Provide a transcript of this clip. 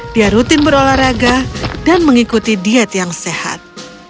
dia rutin berolahraga dan mengikuti diet yang sehat